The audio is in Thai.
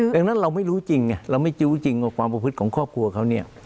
ดังนั้นเราไม่รู้จริงไงเราไม่รู้จริงว่าความประพฤติของครอบครัวเขาเนี่ย